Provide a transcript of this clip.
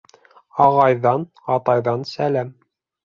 Ағайҙан, атайҙан сәләм